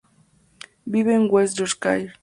Vive en West Yorkshire.